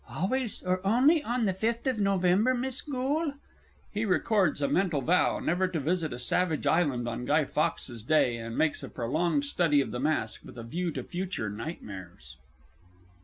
Always or only on the fifth of November, Miss Goole? [_He records a mental vow never to visit a Savage Island on Guy Fawkes's Day, and makes a prolonged study of the mask, with a view to future nightmares.